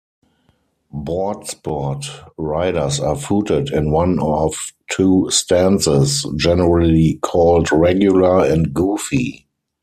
Boardsport riders are "footed" in one of two stances, generally called "regular" and "goofy".